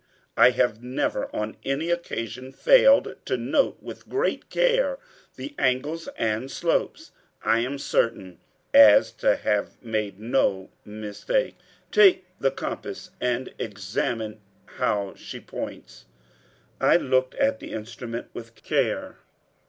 I have never on any occasion failed to note with great care the angles and slopes. I am certain as to having made no mistake. Take the compass and examine how she points." I looked at the instrument with care.